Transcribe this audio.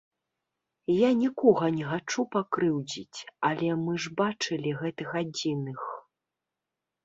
Я нікога не хачу пакрыўдзіць, але мы ж бачылі гэтых адзіных.